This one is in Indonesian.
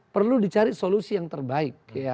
perlu dicari solusi yang terbaik